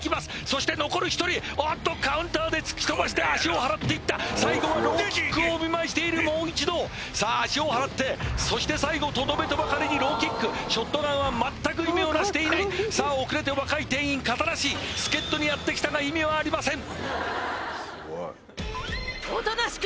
そして残る１人おっとカウンターで突き飛ばして足を払っていった最後はローキックをお見舞いしているもう一度さあ足を払ってそして最後とどめとばかりにローキックショットガンは全く意味をなしていないさあ遅れて若い店員形なし助っ人にやって来たが意味はありません